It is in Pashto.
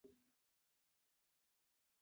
ملالۍ خپل ژوند له لاسه ورکړی دی.